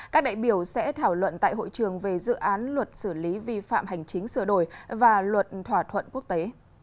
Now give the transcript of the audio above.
các đại biểu sẽ thảo luận tại hội trường về dự án luật xử lý vi phạm hành chính sửa đổi và luật thỏa thuận quốc tế